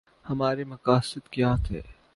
ہمارے مقاصد کیا تھے؟